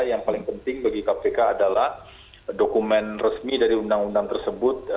yang paling penting bagi kpk adalah dokumen resmi dari undang undang tersebut